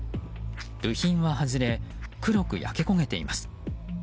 部品は外れ黒く焼け焦げています。